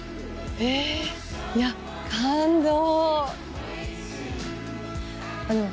えいや感動！